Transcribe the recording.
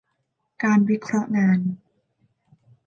การวิเคราะห์งาน